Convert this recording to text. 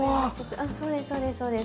そうですそうです。